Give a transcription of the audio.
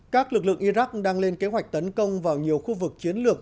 các lực lượng iraq đang lên kế hoạch tấn công vào nhiều khu vực chiến lược